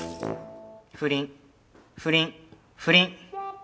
不倫不倫不倫。